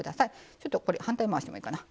ちょっとこれ反対回してもいいかな。